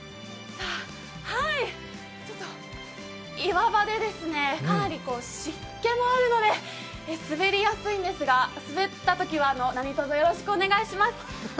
岩場でかなり湿気もあるので、滑りやすいんですが、滑ったときはなにと、ぞよろしくお願いします。